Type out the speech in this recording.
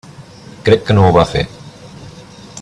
Crec que no ho va fer.